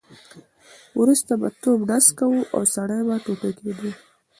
وروسته به توپ ډز کاوه او سړی به ټوټې کېده.